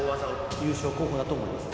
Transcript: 優勝候補だと思います。